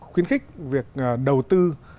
khuyến khích việc đầu tư